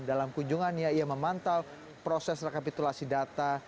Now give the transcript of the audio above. dalam kunjungannya ia memantau proses rekapitulasi data